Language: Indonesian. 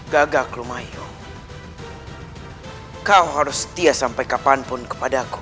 gagak lumayan kau harus setia sampai kapanpun kepadaku